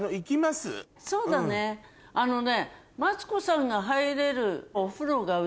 そうだねあのね。